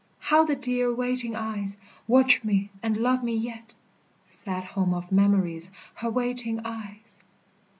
How the dear waiting eyes Watch me and love me yet Sad home of memories, Her waiting eyes!